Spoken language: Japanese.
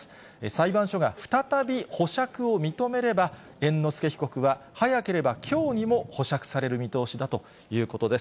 裁判所が再び保釈を認めれば、猿之助被告は早ければきょうにも保釈される見通しだということです。